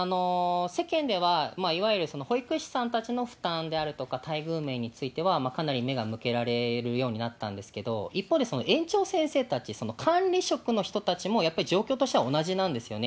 世間では、いわゆる保育士さんたちの負担であるとか、待遇面についてはかなり目が向けられるようになったんですけど、一方で、園長先生たち、管理職の人たちもやっぱり状況としては同じなんですよね。